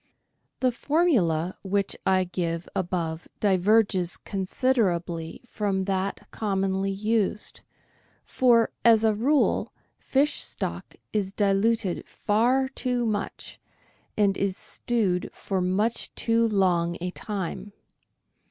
— The formula which I give above diverges considerably from that commonly used, for, as a rule, fish stock is diluted far too much, and is stewed for much too long a time.